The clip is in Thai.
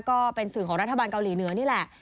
ก็เป็นสื่อของรัฐบาลเกาหลีเหนือนี่แหละ